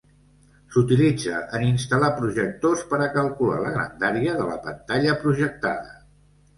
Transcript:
S'utilitza en instal·lar projectors per a calcular la grandària de la pantalla projectada.